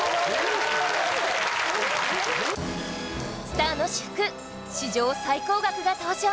スターの私服史上最高額が登場！